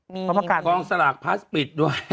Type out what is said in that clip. และพระพระกาศสาหรัฐ